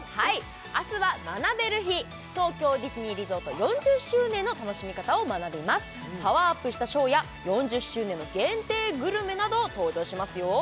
明日は学べる日東京ディズニーリゾート４０周年の楽しみ方を学びますパワーアップしたショーや４０周年の限定グルメなど登場しますよ